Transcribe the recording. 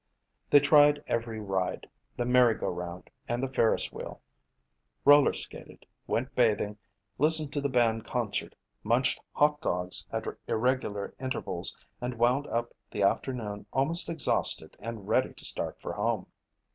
They tried every ride, the merry go round and the ferris wheel, roller skated, went bathing, listened to the band concert, munched hot dogs at irregular intervals and wound up the afternoon almost exhausted and ready to start for home.